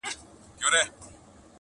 د کرونا ویري نړۍ اخیستې!.